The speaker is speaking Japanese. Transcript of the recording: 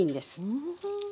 ふん。